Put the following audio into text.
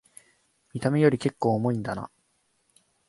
見た目よりけっこう重いんだな